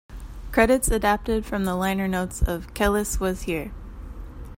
Credits adapted from the liner notes of "Kelis Was Here".